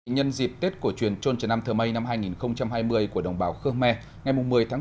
nhân dịp tết cổ truyền trôn trần nam thờ mây năm hai nghìn hai mươi của đồng bào khơ me ngày một mươi tháng bốn